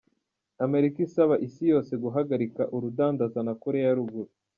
Amerika isaba isi yose guhagarika urudandaza na Korea ya ruguru.